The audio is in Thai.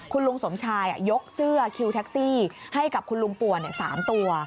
คุณลุงสมชายยกเสื้อคิวแท็กซี่ให้กับคุณลุงป่วน๓ตัว